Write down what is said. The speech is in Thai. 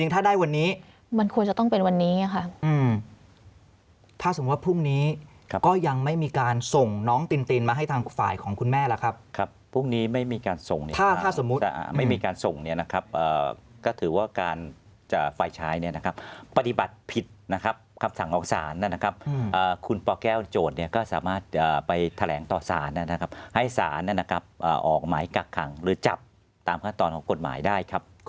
ถ้าสมมุติว่าพรุ่งนี้ก็ยังไม่มีการส่งน้องตินมาให้ทางฝ่ายของคุณแม่ล่ะครับครับพรุ่งนี้ไม่มีการส่งถ้าสมมุติไม่มีการส่งเนี่ยนะครับก็ถือว่าการจะฝ่ายชายเนี่ยนะครับปฏิบัติผิดนะครับครับสั่งออกศาลนะครับคุณพ่อแก้วโจทย์เนี่ยก็สามารถไปแถลงต่อศาลนะครับให้ศาลนะครับออกหมายกั